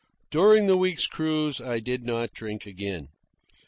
During the week's cruise I did not drink again.